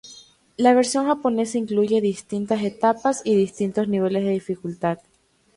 La versión japonesa incluye distintas etapas y distintos niveles de dificultad.